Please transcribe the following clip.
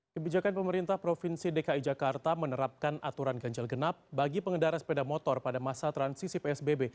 kebijakan pemerintah provinsi dki jakarta menerapkan aturan ganjil genap bagi pengendara sepeda motor pada masa transisi psbb